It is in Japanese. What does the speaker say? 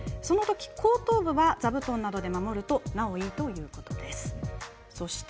そのとき後頭部は座布団などで守ると、なおいいということです。